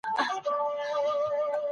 پرېوتې پاڼې د مني د رارسیدو خبر ورکوي.